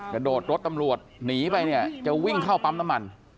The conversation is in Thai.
กระโดดรถตำรวจหนีไปเนี่ยจะวิ่งเข้าปั๊มน้ำมัน